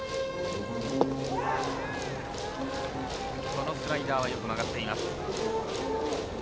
このスライダーはよく曲がっています。